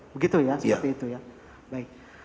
begitu ya seperti itu ya baik